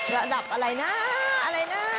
ระดับอะไรนะอะไรนะ